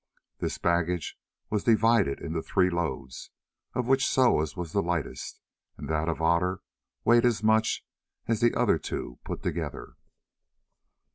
This baggage was divided into three loads, of which Soa's was the lightest, and that of Otter weighed as much as the other two put together.